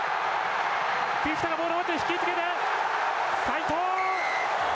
フィフィタがボールを持って引きつけて、齋藤。